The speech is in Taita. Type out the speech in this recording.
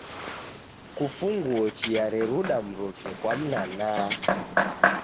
Kufunguo chia reruda mruke kwa mnaanaa.